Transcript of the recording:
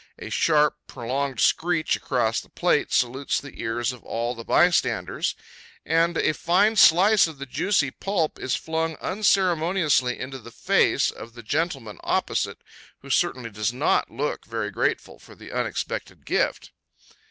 A sharp, prolonged screech across his plate salutes the ears of all the bystanders, and a fine slice of juicy pulp is flung unceremoniously into the face of the gentleman opposite, who certainly does not look very grateful for the unexpected gift.